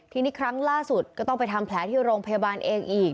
ทีนี้ครั้งล่าสุดก็ต้องไปทำแผลที่โรงพยาบาลเองอีก